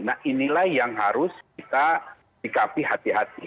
nah inilah yang harus kita sikapi hati hati